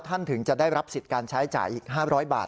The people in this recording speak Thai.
ถึงจะได้รับสิทธิ์การใช้จ่ายอีก๕๐๐บาท